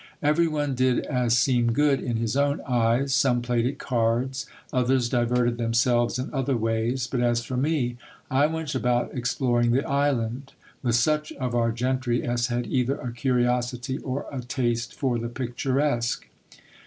Every one did as seemed good in his own eyes : some played at cards, others diverted themselves in other ways ; but as for me, I went about exploring the island, with such of our gentry as had either a cu riosity or a taste for the picturesque.